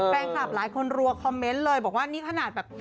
แฟนคลับหลายคนรัวคอมเมนต์เลยบอกว่านี่ขนาดแบบ